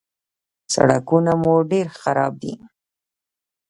_سړکونه مو ډېر خراب دي.